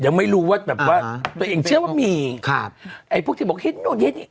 ยังไม่รู้ว่าแบบว่าตัวเองเชื่อว่ามีครับไอ้พวกที่บอกเห็นนู่นเห็นนี่